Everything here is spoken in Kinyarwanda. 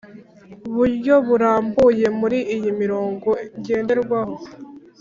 buryo burambuye muri iyi mirongo ngenderwaho